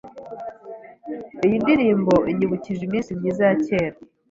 Iyi ndirimbo inyibukije iminsi myiza ya kera.